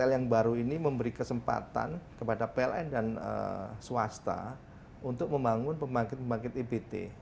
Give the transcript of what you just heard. l yang baru ini memberi kesempatan kepada pln dan swasta untuk membangun pembangkit pembangkit ebt